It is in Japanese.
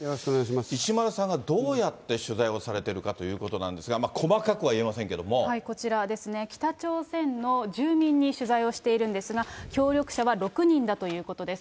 石丸さんがどうやって取材をされてるかということなんですが、こちらですね、北朝鮮の住民に取材をしているんですが、協力者は６人だということです。